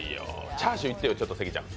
チャーシューいってよ、関ちゃん。